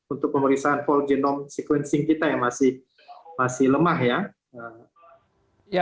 untuk pemeriksaan pol genom sequencing kita yang masih lemah